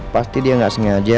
pasti dia gak sengaja